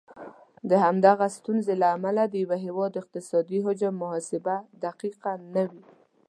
د همدغه ستونزې له امله د یو هیواد اقتصادي حجم محاسبه دقیقه نه وي.